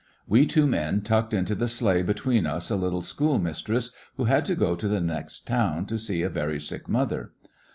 We two men tucked into the sleigh between ns a little schoolmistress who had to go to the next town to see a very sick mother.